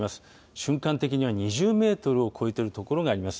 瞬間的には２０メートルを超えている所があります。